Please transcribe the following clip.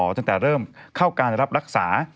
ตั้งแต่เริ่มเข้าการรับรักษา